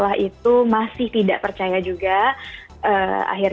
lihatlah kesujean hebben